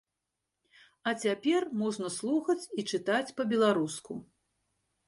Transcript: А цяпер можна слухаць і чытаць па-беларуску.